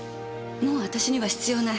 もう私には必要ない。